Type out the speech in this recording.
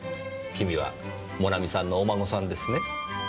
君はモナミさんのお孫さんですね？